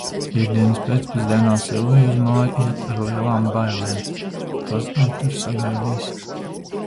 Piektdienas pēcpusdienā Silvija uz māju iet ar lielām bailēm, kas gan tur sagaidīs.